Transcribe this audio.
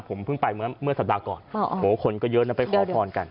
ผมเพิ่งไปเมื่อสัปดาห์ก่อนคนก็เยอะนะไปขอพรกัน